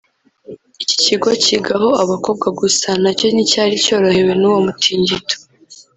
Iki kigo kigaho abakobwa gusa nacyo nticyari cyorohewe n’uwo mutingito